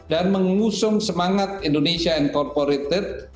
dan mengusung semangat indonesia incorporated